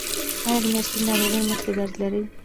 ایا د میاشتنۍ ناروغۍ مخکې درد لرئ؟